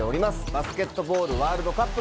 バスケットボールワールドカップ